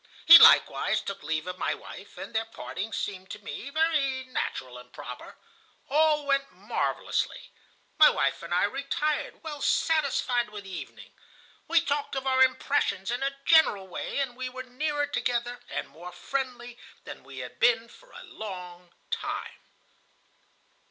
He likewise took leave of my wife, and their parting seemed to me very natural and proper. All went marvellously. My wife and I retired, well satisfied with the evening. We talked of our impressions in a general way, and we were nearer together and more friendly than we had been for a long time."